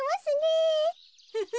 フフフフ。